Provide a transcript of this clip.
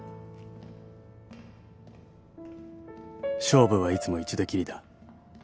［勝負はいつも一度きりだ］